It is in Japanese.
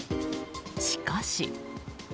しかし。